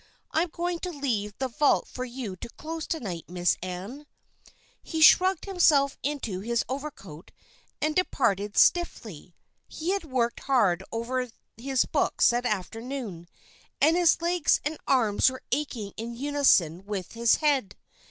"I'm going to leave the vault for you to close to night, Miss Ann." He shrugged himself into his overcoat and departed stiffly. He had worked hard over his books that afternoon, and his legs and arms were aching in unison with his head.